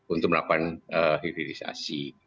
untuk melakukan hiririsasi